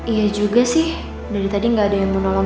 iya juga sih dari tadi gak ada yang membantu